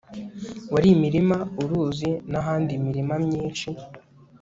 Wari imirima uruzi nahandi imirima myinshi